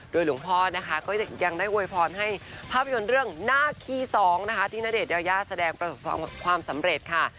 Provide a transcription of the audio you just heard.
โดยหลวงพ่อก็ยังได้โวยพรให้ภาพยนต์เรื่องหน้าคีย์๒ที่ณเดชน์ยายาแสดงประสบความสำเร็จค่ะ